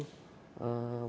mendapatkan ini piring